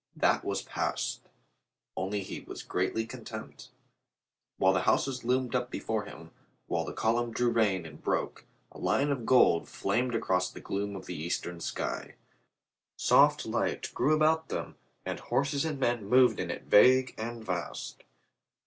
That was past. Only he was greatly content. While the houses loomed up before him, while the column drew rein and broke, a line of gold flamed across the gloom of the eastern sky. Soft light grew about them and horses and men moved in it vague and vast.